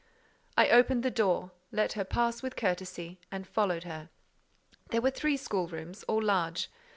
I opened the door, let her pass with courtesy, and followed her. There were three schoolrooms, all large.